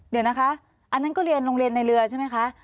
เดี๋ยวนะคะอันนั้นก็เรียนโรงเรียนในเรือใช่ไหมคะ